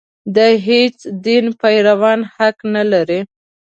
د هېڅ دین پیروان حق نه لري.